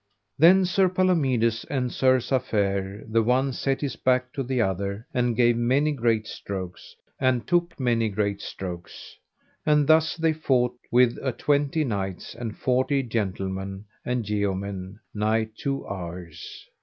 Then Sir Palomides and Sir Safere, the one set his back to the other, and gave many great strokes, and took many great strokes; and thus they fought with a twenty knights and forty gentlemen and yeomen nigh two hours.